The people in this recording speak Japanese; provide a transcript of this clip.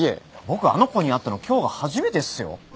僕あの子に会ったの今日が初めてっすよ。